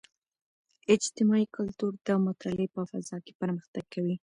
اجتماعي کلتور د مطالعې په فضاء کې پرمختګ کوي.